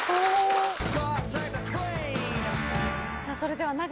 さぁそれでは。